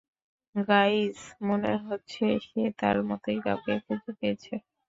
Guys, মনে হচ্ছে সে তার মতোই কাউকে খুঁজে পেয়েছে।